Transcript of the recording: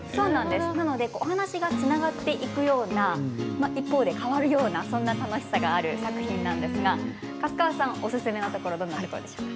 お話がつながっていくような一方で変わるようなそんな楽しさがある作品なんですが粕川さん、おすすめはどんなところですか？